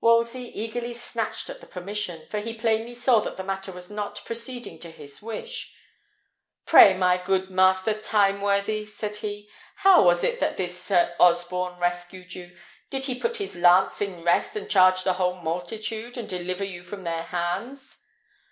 Wolsey eagerly snatched at the permission, for he plainly saw that the matter was not proceeding to his wish. "Pray, my good Master Timeworthy," said he, "how was it that this Sir Osborne rescued you? Did he put his lance in rest, and charge the whole multitude, and deliver you from their hands?"